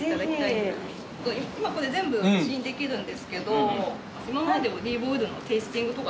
今これ全部試飲できるんですけど今までオリーブオイルのテイスティングとかされたこと。